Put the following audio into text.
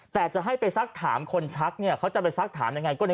แต่จะให้ไปซักถามคนชักเนี่ยเขาจะไปซักถามยังไง